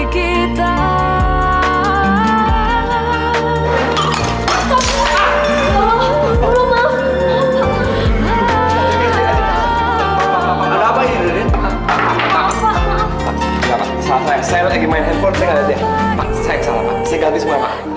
saya salah saya ganti semua